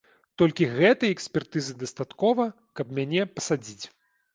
Толькі гэтай экспертызы дастаткова, каб мяне пасадзіць.